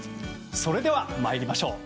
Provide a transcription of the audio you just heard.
それでは参りましょう。